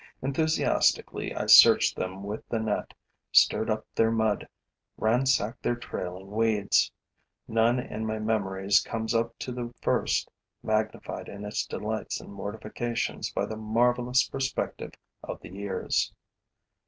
Enthusiastically I searched them with the net, stirred up their mud, ransacked their trailing weeds. None in my memories comes up to the first, magnified in its delights and mortifications by the marvelous perspective of the years.